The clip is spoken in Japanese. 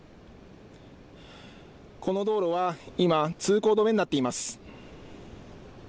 この道路は今、通行止めになっています。